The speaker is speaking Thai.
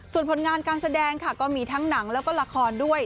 ส่วนผลงานการแสดงค่ะก็มีทั้งหนังแล้วก็ละครด้วย